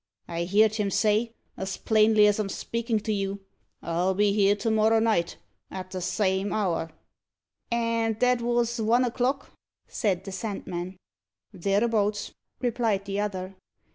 I heerd him say, as plainly as I'm a speakin' to you 'I'll be here to morrow night at the same hour '" "And that wos one o'clock?" said the Sandman. "Thereabouts," replied the other.